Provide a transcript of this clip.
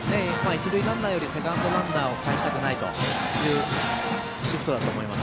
一塁ランナーよりセカンドランナーをかえしたくないというシフトだと思います。